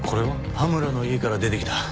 羽村の家から出てきた。